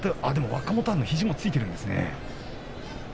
若元春の肘もついているんですね。